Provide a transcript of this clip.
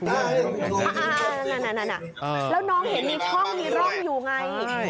แล้วน้องเห็นนี่ช่องอยู่ไง